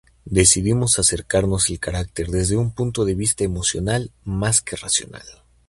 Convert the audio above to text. Decidimos acercarnos el carácter desde un punto de vista emocional más que racional.